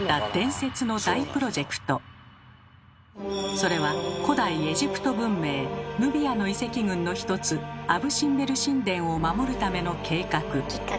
それは古代エジプト文明ヌビアの遺跡群の一つアブ・シンベル神殿を守るための計画。